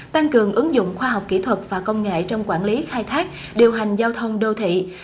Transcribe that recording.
tăng cường ứng dụng khoa học kỹ thuật và công nghệ trong quản lý khai thác điều hành giao thông đô thị